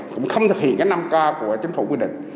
cũng không thực hiện các năm ca của chính phủ quy định